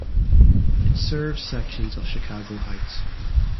It serves sections of Chicago Heights.